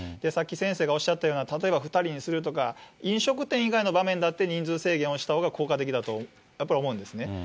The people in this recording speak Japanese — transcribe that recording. さっき先生がおっしゃったような、例えば２人にするとか、飲食店以外の場面だって、人数制限をしたほうが効果的だとやっぱり思うんですね。